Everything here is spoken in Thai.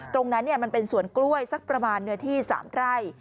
ตรงนั้นมันเป็นสวนกล้วยสักประมาณเนื้อที่๓ไร่